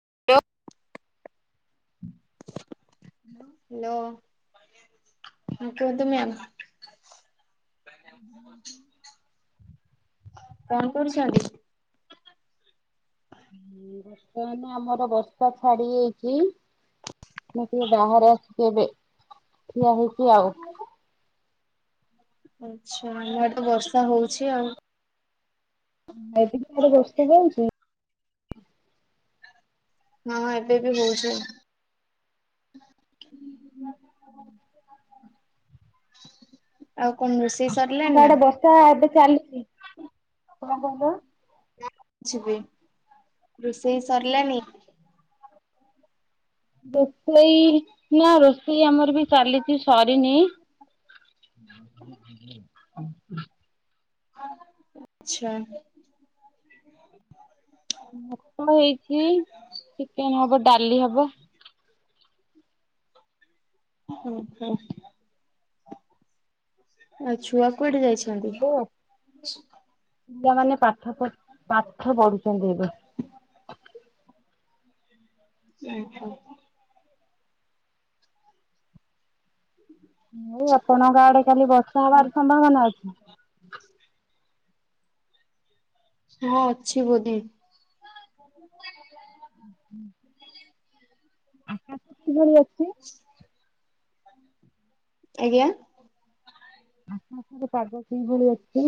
[unintelligible] Hello ହଁ କୁହନ୍ତୁ ma'am. [unintelligible] କଣ କରୁଛନ୍ତି? ବର୍ତ୍ତମାନ ଆମର ବର୍ଷା ଛାଡି ଯାଇଛି। ମୁଁ ଟିକେ ବାହାରେ ଆସିକି ଏବେ ଠିଆ ହେଇଛିି ଆଉ। ଆଛା ଇଆଡେ ବର୍ଷା ହଉଛି ଆଉ। ମେଡିକିରେ ବର୍ଷା ଯାଉଛି। ହଁଁ ଏବେ ବି ହଉଛି ଆଉ। [unintelligible] ଆଉ କଣ ରୋଷେଇ ଆମର ସରିଲାଣି ତ ନା? ଆଡେ ବର୍ଷା ଏବେ ଚାଲିଛି। କଣ କହିଲ? ଯିବି ରୋଷେଇ ସରିଲାନି? ରୋଷେଇ ନା ରୋଷେଇ ଆମର ବି ଚାଲିଛି ସରିନି। [unintelligible] ଆଛା। ଭାତ ହେଇଛି ଚିକେନ ହବ, ଡାଲି ହବ। ହୁଁ ହୁଁ। ଆଉ ଛୁଆ କୁଆଡ଼େ ଯାଇଛି? ପିଲାମାନେ ପାଠ ପଢ ପାଠ ପଢୁଛନ୍ତି ଏବେ। ହଁ ହ। ମୁ ଆପଣଙ୍କ ଆଡ଼େ କାଲି ବର୍ଷା ହବାର ସମ୍ଭାବନା ଅଛି। ହଁ ଅଛି ବୋଧେ। ହୁଁ ଆ କିଭଳି ଅଛି? ଆଜ୍ଞା ଆପଣଙ୍କର ପାଗ କିଇଭଳି ଅଛି?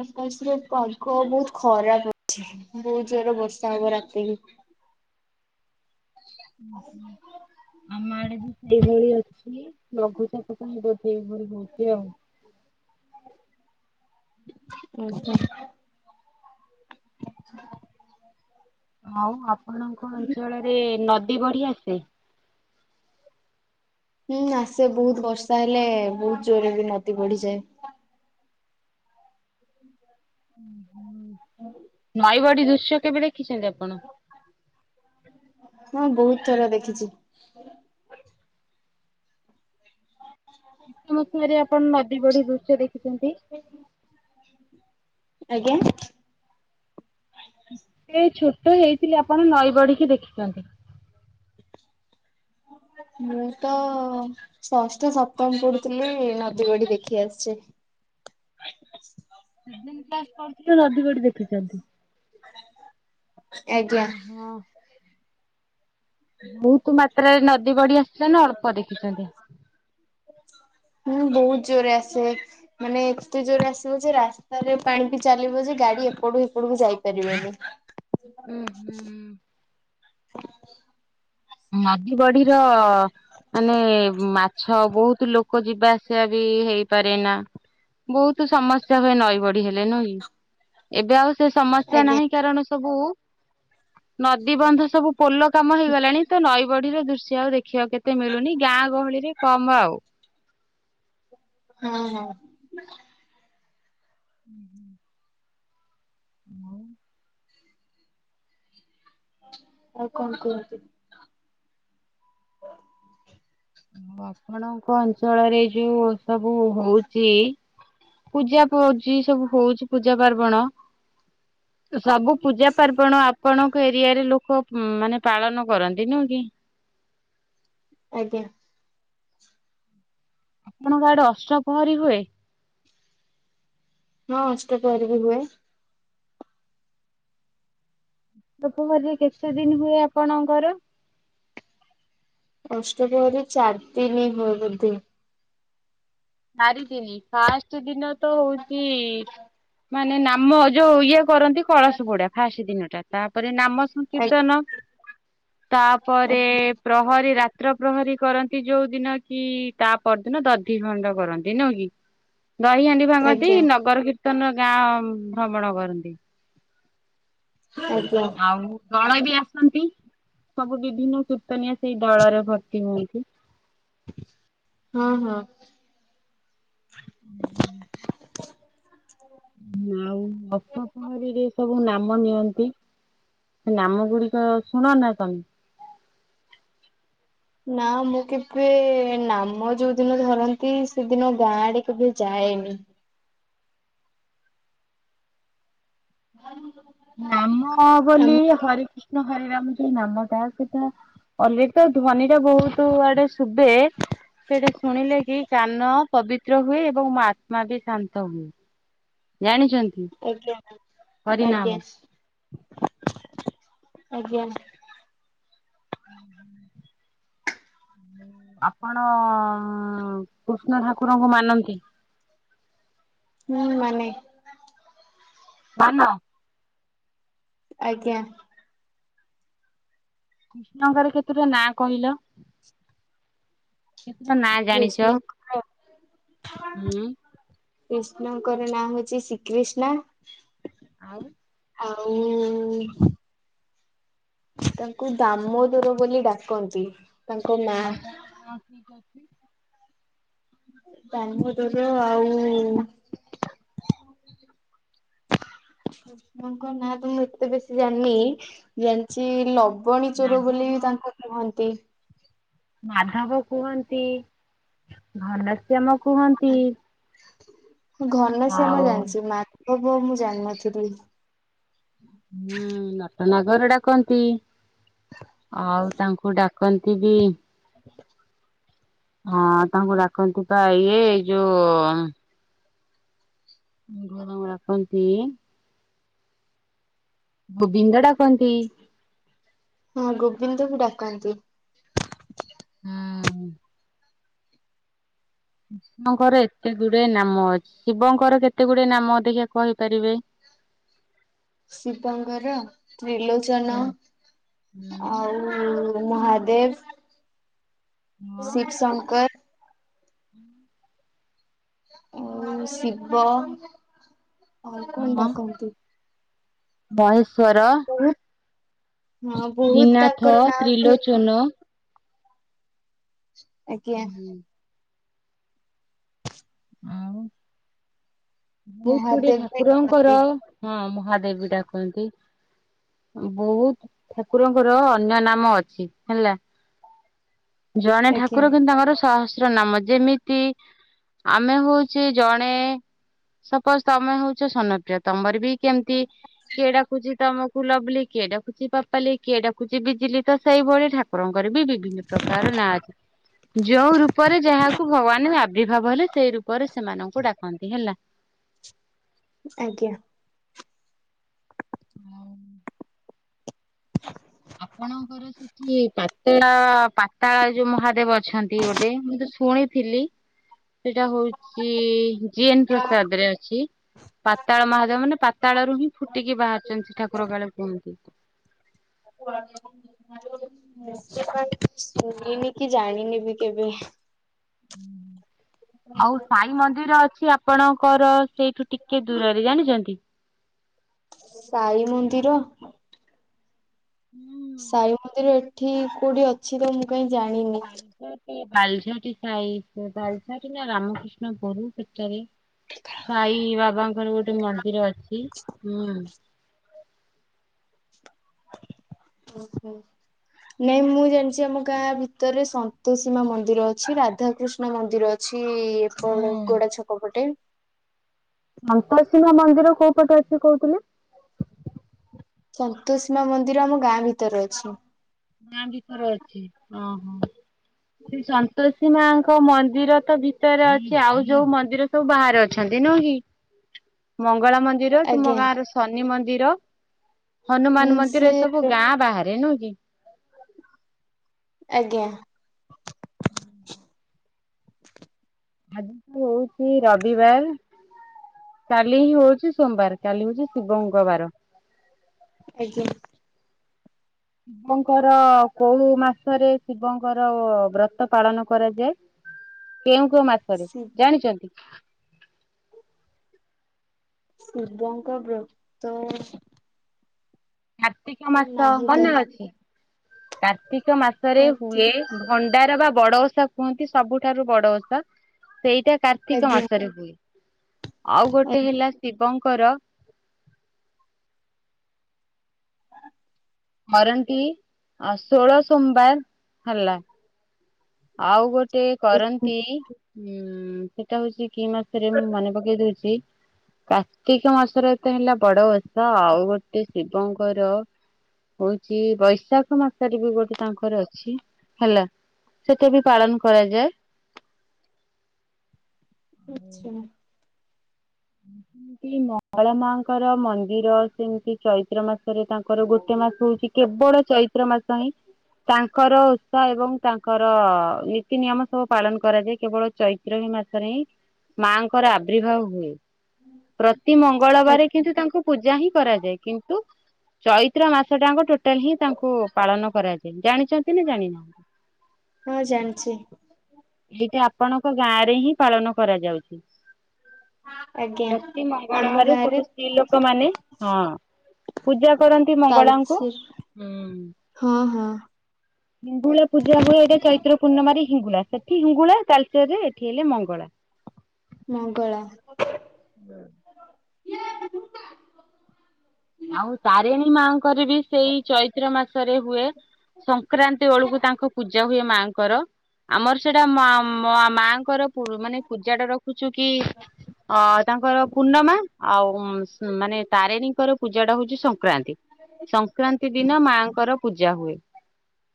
ଆକାଶରେ ପାଗ ବହୁତ ଖରାପ ଅଛି। ବହୁତ ଜୋରେ ବର୍ଷା ହବ ରାତିକି। ଆମ ଆଡ଼େ ବି ଏଇଭଳି ଅଛି ଲଘୁଚାପ କହି ବୋଧେ ଏଇଭଳି ହଉଛି ଆଉ। ଓହୋ ଆଉ ଆପଣଙ୍କ ଅଞ୍ଚଳରେ ନଦୀ ବଢ଼ି ଆସେ। ହୁଁ ଆସେ ବୋହୁତ ବର୍ଷା ହେଲେ ବୋହୁତ ଜୋରରେ ବି ନଦୀ ବଢ଼ିଯାଏ। [inaudible] ନଈବଢି ଦୃଶ୍ୟ କେବେ ଦେଖିଛନ୍ତି ଆପଣ? ହଁ ବୋହୁତ ଥର ଦେଖିଛି। ହଁ ଫେର ଆପଣ ନଦୀବଢ଼ି ଦୃଶ୍ୟ ଦେଖିଛନ୍ତି। ଆଜ୍ଞା ଏଇ ଛୋଟ ହେଇଥିଲି ଆପଣ ନଈବଢ଼ି କି ଦେଖିଛନ୍ତି। ମୁଁ ତ ଷଷ୍ଠ ସପ୍ତମ ପଢୁଥିଲି ନଦୀ ବଢି ଦେଖି ଆସିଛି। [unintelligible] ନଦୀ ବଢି ଦେଖିଛନ୍ତି। ଆଜ୍ଞା ଓହୋ ବୋହୁତ ମାତ୍ରାରେ ନଦୀ ବଢି ଆସିଥିଲା ନା ଅଳ୍ପ ଦେଖିଛନ୍ତି। ହୁଁ ବୋହୁତ ଜୋରେ ଆସେ। ମାନେ ଏତେ ଜୋର ଆସିବ ଯେ ରାସ୍ତାରେ ପାଣି ବିି ଚାଲିବ ଯେ ଗାଡ଼ି ଏପଟୁ ସେପଟକୁ ଯାଇପାରିବନି। ଉୁଁ ହୁଁ ନଦୀ ବଢିର ମାନେ ମାଛ ବୋହୁତ ଲୋକ ଯିବା ସିବା ବି ହେଇପାରେ ନା ବୋହୁତ ସମସ୍ୟା ହୁଏ ନଈ ବଢି ହେଲେ ନୁହେଁ କି। ଏବେ ଆଉ ସେ ସମସ୍ୟା ଆଜ୍ଞା ନାହିଁ କାରଣ ସବୁ ନଦୀ ବନ୍ଧ ସବୁ ପୋଲ କାମ ହେଇଗଲାଣି ତ ନଈ ବଢିର ଦୃଶ୍ୟ ଆଉ ଦେଖିବାକୁ ଏତେ ମିଳୁନି ଗାଁ ଗହଳିରେ କମ ଆଉ। ହଁ ହଁ। ହୁଁ ହୁଁ ଆଉ ଆଉ କଣ କୁହନ୍ତି। ଆପଣଙ୍କ ଅଞ୍ଚଳରେ ଯୋଉ ସବୁ ହଉଚି ପୂଜା ପୂଜି ସବୁ ହଉଛି ପୂଜା ପାର୍ବଣ ସବୁ ପୂଜା ପାର୍ବଣ ଆପଣଙ୍କ ଏରିଆରେ ଲୋକ ମାନେ ପାଳନ କରନ୍ତି। ନୁହଁ କି? ଆଜ୍ଞା ଆପଣଙ୍କ ଆଡେ ଅଷ୍ଟପହରି ହୁଏ? ହଁ ଅଷ୍ଟପହରି ବିି ହୁଏ। ଅଷ୍ଟପ୍ରହରୀ କେତେଦିନ ହୁଏ ଆପଣଙ୍କର? ଅଷ୍ଟପ୍ରହରୀ ଚାରିଦିନ ହୁଏ ବୋଧେ। ଚାରିଦିନି ଫାଷ୍ଟ ଦିନ ତ ହଉଚି ମାନେ ନାମ ଯୋଉ ଇଏ କରନ୍ତି କଳସ ବୁଡା ଫାଷ୍ଟ ଦିନଟା। ତାପରେ ନାମ ସଂକୀର୍ତ୍ତନ ତାପରେ ଆଜ୍ଞା ପ୍ରହରୀ ରା ତ୍ର ପ୍ରହରୀ କରନ୍ତି ଯୋଉ ଦିନ କି ତା ପର ଦିନ ଦଧି ଖଣ୍ଡ କରନ୍ତି ନୁହୁଁ କି? ଦହିହାଣ୍ଡି ଭାଙ୍ଗନ୍ତି ଆଜ୍ଞା ନଗର କୀର୍ତ୍ତନ ଗାଁ ଭ୍ରମଣ କରନ୍ତି। ଆଜ୍ଞା। ଆଉ ଦଳ ବି ଆସନ୍ତି ସବୁ ବିଭିନ୍ନ କିର୍ତ୍ତନିଆ ସେଇ ଦଳରେ ଭର୍ତ୍ତି ହୁଅନ୍ତି। ହଁ ହଁ। ହୁଁ ହୁଁ। ଆଉ ଅଷ୍ଟପହରୀରେ ସବୁ ନାମ ନିଅନ୍ତି। ସେ ନାମ ଗୁଡିକ ଶୁଣ ନା ତମେ? ନା ମୁଁ କେବେ ନାମ ଯୋଉ ଦିନ ଧରନ୍ତି ସେଦିନ ଗାଁ ଆଡେ କେବେ ଯାଏନି। [unintelligible] ନାମ ବୋଲି ଆମ ହରେ କୃଷ୍ଣ ହରେରାମ ଯୋଉ ନାମଟା ସେ ଅଲେରେଡି ତା ଧ୍ୱନି ଟା ବହୁତ ଆଡେ ସୁୁଭେ ସେଟା ଶୁଣିଲେ କି କାନ ପବିତ୍ର ହୁଏ ଏବଂ ମୋ ଆତ୍ମା ବି ଶାନ୍ତ ହୁଏ। ଜାଣିଛନ୍ତି। ଆଜ୍ଞା ମ୍ୟାମ ହରିନାମ ଆଜ୍ଞା ଆଜ୍ଞା। [inaudible] ଆପଣ କୃଷ୍ଣ ଠାକୁରଙ୍କୁ ମାନନ୍ତି। ହୁଁ ମାନେ। ମାନ ଆଜ୍ଞା। କୃଷ୍ଣଙ୍କର କେତୁଟା ଟା ନାଁ କହିଲ? କେତେଟା ନାଁ ଜାଣିଛ କୃଷ୍ଣଙ୍କର ହୁଁ। କ୍ରୁଷ୍ଣଙ୍କର ନାଁ ହଉଛି ଶ୍ରୀକିଷ୍ଣା। ଆଉ। ଆଉ। ତାଙ୍କୁ ଦାମୋଦର ବୋଲି ଡାକନ୍ତି। ତାଙ୍କ ନା ଆଉ କଣ କଣ ଠିକ ଅଛି। ଦାମୋଦର ଆଉ। କୃଷ୍ଣଙ୍କ ନାଁ ତ ମୁଁ ଏତେ ବେଶୀ ଜାଣିନି ଜାଣିଛି ଲବ୍ ଲବଣି ଚୋର ବୋଲି ମାଧବ ତାଙ୍କୁ କୁହନ୍ତି। ମାଧବ କୁହନ୍ତି ଘନଶ୍ୟାମ କୁହନ୍ତି। ଘନଶ୍ୟାମ ଆଉ ଜାଣିଛି ମାଧବ ମୁଁ ଜାଣିନଥିଲି। ହୁଁ ନଟନାଗର ଡାକନ୍ତି ଆଉ ତାଙ୍କୁ ଡାକ୍ କନ୍ତି ବି। ହଁ ତାଙ୍କୁ ଡାକନ୍ତି ପା ଇଏ ଏଇ ଯୋଉ [inaudible] ଡାକନ୍ତି ଗୋବିନ୍ଦ ଡାକ୍ ହଁ ଗୋବିନ୍ଦ ବି ଡାକନ୍ତି। ହୁଁ। କୃଷ୍ଣଙ୍କର ଏତେ ଗୁଡିଏ ନାମ ଅଛି ଶିବଙ୍କର କେତେ ଗୁଡ଼ିଏ ନାମ ଦେଖିବା କହିପାରିବେ। ଶିବଙ୍କର ତ୍ରିଲୋଚନ ହଁ ଆଉ ମହାଦେ ଦେବ ଶିବ୍ ଶଙ୍କର। [inaudible] ଆଉ ଶିବ ଆଉ କଣ ହଁ ଡାକନ୍ତି? ମହେଶ୍ଵର ବହୁତ୍ ହଁ ବହୁତ୍ ତ୍ରିନାଥ ତାଙ୍କର ନାଁ ଅଛି ହେଲେ ତ୍ରିଲୋଚନ ଆଜ୍ଞା ଆଉ ବହୁତ୍ ଗୁଡ଼ିଏ ମହାଦେବ ବି ଠାକୁରଙ୍କର ଡାକନ୍ତି। ହଁ ମହାଦେବ୍ ବି ଡାକନ୍ତି ଆଉ ବହୁତ୍ ଠାକୁରଙ୍କର ଅନ୍ୟ ନାମ ଅଛି ହେଲା ଜଣେ ଆଜ୍ଞା ଠାକୁର କିନ୍ତୁ ତାଙ୍କର ସହସ୍ର ନାମ ଯେମିତି ଆମେ ହଉଚେ ଜଣେ ସପୋଜ ତମେ ହଉଛ ସୋନପ୍ରିୟ ତମର ବି କେମିତି କିଏ ଡାକୁଛି ତମକୁ କୁ ଲଭ୍ଲି କିଏ ଡାକୁଛି ପାପାଲିି କିଏ ଡାକୁୁଛି ବିଜିଲି ତ ସେଇ ଭଳି ଠାକ୍ କୁରଙ୍କର ବି ବିଭିନ୍ନ ପ୍ରକାର ନାଁ ଅଛି। ଯୋଉଁ ରୂପରେ ଯାହାକୁ ଭଗବାନ ଆବିର୍ଭାବ ହେଲେ ସେଇ ରୂପରେ ସେମାନଙ୍କୁ ଡାକନ୍ତି ହେଲା। ଆଜ୍ଞା ହୁଁ [inaudible] ଆପଣଙ୍କର ସିଏ ସେଠି ପାତେଳା ପାତାଳ ଯୋଉ ମହାଦେବ ଅଛନ୍ତି ଗୋଟେ ମୁଁ ତ ଶୁଣିଥିଲି। ସେଟା ହଉଛି ଜିଏନ ପ୍ରସାଦ ରେ ଅଛି। ପାତାଳ ମହାଦେବ ମାନେ ପାତାଳ ରୁ ହିଁ ଫୁଟିକି ବାହାରିଛନ୍ତି ଠାକୁର କାଳେ କୁହନ୍ତି। ଶୁଣନି କି ଜାଣିନି ବି କେବେ। ଆଉ ସାଇ ମନ୍ଦିର ଅଛି ଆପଣଙ୍କର ସେଇଠୁ ଟିକେ ଦୂରରେ ଜାଣିଚନ୍ତି? ସାଇ ମନ୍ଦିର? [inaudible] ସାଇ ମନ୍ଦିର ଏଠି କୋଉଠି ଅଛି ତ ମୁଁ କହିଁ ଜାଣିନି? ବାଲଛା ଟି ସାଇ ବାଲା ଟି ନା ରାମକୃଷ୍ଣ ଗୋରୁ ପେଟରେ ସାଇ ବାବାଙ୍କର ଗୋଟେ ମନ୍ଦିର ଅଛି ହୁଁ। ଓହୋ ନାଇଁ ମୁଁ ଜାଣିଛି ଆମ ଗାଁ ଭିତରେ ସନ୍ତୋଷୀ ମାଁ ମନ୍ଦିର ଅଛି, ରାଧାକୃଷ୍ଣ ମନ୍ଦିର ଅ ଛି ଏପଟେ ହୁଁ। ଗୋଡ଼ା ଛକ ପଟେ ସନ୍ତୋଷୀ ମାଁ ମନ୍ଦିର କୋଉ ପଟେ ଅଛି କହୁଥିଲେ? ସନ୍ତୋଷୀ ମାଁ ମନ୍ଦିର ଆମ ଗାଁ ଭିତରେ ଅଛି। ଗାଁ ଭିତରେ ଅଛି ଅଁହଁ ସେ ସନ୍ତୋଷୀ ମାଁ ଙ୍କ ମନ୍ଦିର ତ ଭିତରେ ଅଛି ଆଉ ଯୋଉ ମନ୍ଦିର ସବୁ ବାହାରେ ଅଛନ୍ତି ନୁହଁକି ମଙ୍ଗଳା ମନ୍ଦିର ମନ୍ଦିର ତୁମ ଆଜ୍ଞା ଗାଁ ର ଶନି ମନ୍ଦିର ହୁଁ ହନୁମାନ ସେ ମନ୍ଦିର ଏ ସବୁ ଗାଁ ବାହାରେ ନୁହେଁ କି? ଆଜ୍ଞା [inaudible] ଆଜି ହଉଛି ରବିବାର କାଲିି ହଉଛି ସୋମବାର, କାଲି ହଉଛି ଶିବଙ୍କ ବାର। ଆଜ୍ଞା। ଶିବଙ୍କର କୋଉ ମାସରେ, ଶିବଙ୍କର ବ୍ରତ ପାଳନ କରାଯାଏ। କେଉଁ କେଉଁ ମାସରେ ଶି ଜାଣିଛନ୍ତି? ଶିବଙ୍କ ବ୍ରତ କାର୍ତ୍ତିକ ମାସ ନାହିଁ ତ ମନେ ଅଛି, କାର୍ତ୍ତିକ ମାସରେ ହୁଏ। କାର୍ତ୍ତିକ ଭ ଭଣ୍ଡାର ବା ବଡ଼ ଓଷା କୁହନ୍ତି। ସବୁଠାରୁ ବଡ଼ ଓଷା ସେଇଟା। କାର୍ତ୍ତିକ ଆଜ୍ଞା ମାସରେ ହୁଏ, ଆଉ ଗୋଟେ ହେଲା ଶିବଙ୍କର କରନ୍ତି ଷୋଳ ସୋମବାର ହେଲା। ଆଉ ଗୋଟେ ଆଜ୍ଞା କରନ୍ତି ଉଁ, ସେଟା ହଉଛି କି ମାସରେ ମୁଁ ମନେ ପକେଇ ଦଉଛି। କାର୍ତ୍ତିକ ମାସରେ ତ ହେଲା ବଡ ଓଷା ଆଉ ଗୋଟେ ଶିବଙ୍କର ହଉଚି ବୈଶାଖ ମାସରେ ବି ଗୋଟେ ତାଙ୍କର ଅଛି ହେଲା। ସେଟା ବି ପାଳନ କରାଯାଏ। ଆଚ୍ଛା। [inaudible] ଏ ଯୋଉ ମଙ୍ଗଳା ମାଙ୍କର ମନ୍ଦିର ସେମିତି ଚୈତ୍ର ମାସରେ ତାଙ୍କର ଗୋଟେ ମା ହଉଛି କେବଳ ଚୈତ୍ର ମାସ ହିଁ ତାଙ୍କର ସ ଏବଂ ତାଙ୍କର ନୀତି ନିୟମ ସବୁ ପାଳନ କରାଯାଏ କେବଳ ଚୈତ୍ର ହିଁ ମାସରେ ହିଁ। ମା ଙ୍କର ଆବ୍ରିଭାବ ହୁଏ। ପ୍ରତି ମଙ୍ଗଳବାରେ ଆଜ୍ଞା କିନ୍ତୁ ତାଙ୍କୁ ପୂଜା ହିଁ କରାଯାଏ କିନ୍ତୁ ଚୈତ୍ର ମାସଟାଙ୍କ ଟୋଟାଲ ହିଁ ତାଙ୍କୁ ପାଳନ କରାଯାଏ, ଜାଣିଛନ୍ତି ନା ଜାଣିନାହଁ? [inaudible] ହଁ, ଜାଣିଛି। ଏଇଟା ଆପଣଙ୍କ ଗାଁ ରେ ହିଁ ପାଳନ କରାଯାଉଛି। ଆଜ୍ଞା ପ୍ରତି ଆମ ମଙ୍ଗଳବାରେ ଗାଁରେ ସବୁ ସ୍ତ୍ରୀ ଲୋକ ମାନେ ପୂଜା କରନ୍ତି ମଙ୍ଗଳାଙ୍କୁ। ତାଲଚେର ହଁ ହଁ। ହିଙ୍ଗୁଳା ପୂଜା ହୁଏ, ଏଇଟା ଚୈତ୍ର ପୂର୍ଣ୍ଣିମାରେ ହିଙ୍ଗୁଳା, ସେଠି ହିଙ୍ଗୁଳା, ଚୈତ୍ରରେ ଏଠି ହେଲେ ମଙ୍ଗଳା। ମଙ୍ଗଳା। [inaudible] ଆଉ ତାରିଣୀ ମାଙ୍କର ବି ସେଇ ଚୈତ୍ର ମାସରେ ହୁଏ। ସଂକ୍ରାନ୍ତି ବେଳକୁ ତାଙ୍କ ପୂଜା ହୁଏ ମାଙ୍କର। ଆମର ସେଇଟା ମା-ମ-ମାଙ୍କର ପୂ-ମାନେ ପୂଜାଟା ରଖୁଛୁ କି? ଅ, ତାଙ୍କର ପୂର୍ଣ୍ଣମା। ଆଉ ମାନେ ତାରିଣୀଙ୍କର ଯୋଉଟା ହଉଛି ସଂକ୍ରାନ୍ତି। ସଂକ୍ରାନ୍ତି ଦିନ ମାଙ୍କର ପୂ ପୂଜା ହୁଏ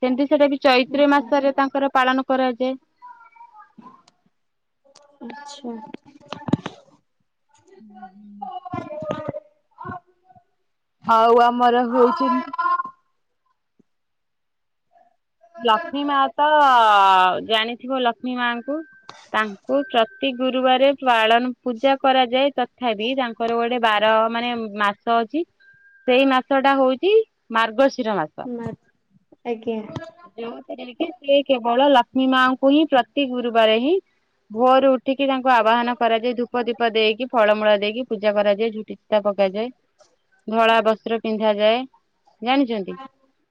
କିନ୍ତୁ ସେଟା ବି ଚୈତ୍ର ମାସରେ ତାଙ୍କର ପାଳନ କରାଯାଏ। ଆଚ୍ଛା। ଉଁ ହୁଁ। ଆଉ ଆମର ହଉଚନ୍ତି ଲକ୍ଷ୍ମୀ ମା ତ ଜାଣିଥିବ, ଲକ୍ଷ୍ମୀ ମାଙ୍କୁ ତାଙ୍କୁ ସେ ଗୁରୁବାରେ ପାଳନ ପୂଜା କରାଯାଏ, ତଥାପି ତାଙ୍କର ଗୋଟେ ବାର, ମାନେ ମାସ ଅଛି। ସେଇ ମାସଟା ହଉଛି ମାର୍ଗଶିର ମାସ। ଆଜ୍ଞା। ଯୋଉଥିରେ କି ସିଏ କେବଳ ଲକ୍ଷ୍ମୀ ମାଙ୍କୁ ହିଁ ପ୍ରତି ଗୁରୁବାର ହିଁ ଭୋରୁ ଉ ଠିକି ତାଙ୍କୁ ଆବାହନ କରାଯାଏ ଧୂପ ଧୀପ ଦେଇକି ଫଳମୂଳ ଦେଇକି ପୂଜା କରାଯାଏଝୋ ତା ପକାଯାଏ ଧଳା ବସ୍ତ୍ର ପିନ୍ଧାଯାଏ ଜାଣିଛନ୍ତି